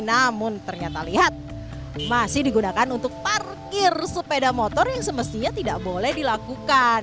namun ternyata lihat masih digunakan untuk parkir sepeda motor yang semestinya tidak boleh dilakukan